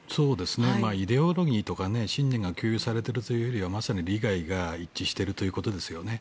イデオロギーとか信念が共有されているというよりはまさに利害が一致しているということですよね。